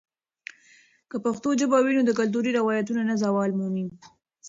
که پښتو ژبه وي، نو کلتوري روایتونه نه زوال مومي.